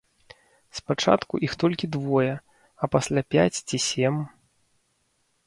Спачатку іх толькі двое, а пасля пяць ці сем.